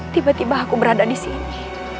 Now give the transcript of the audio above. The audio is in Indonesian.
tiba tiba aku berada di sini